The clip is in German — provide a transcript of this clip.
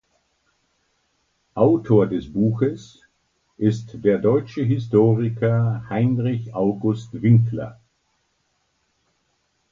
Autor des Buches ist der deutsche Historiker Heinrich August Winkler.